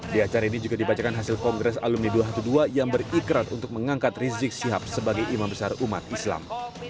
di acara ini juga dibacakan hasil kongres alumni dua ratus dua belas yang berikrar untuk mengangkat rizik syihab sebagai imam besar umat islam